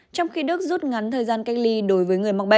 trong khi đức rút ngắn thời gian cách ly đối với người mắc bệnh